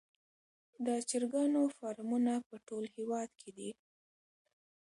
د چرګانو فارمونه په ټول هیواد کې دي